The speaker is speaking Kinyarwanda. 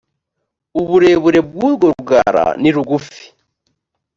uburebure bwurwo rugara nirugufi.